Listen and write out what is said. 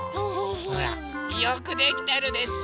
ほらよくできてるでしょ！